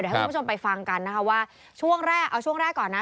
ให้คุณผู้ชมไปฟังกันนะคะว่าช่วงแรกเอาช่วงแรกก่อนนะ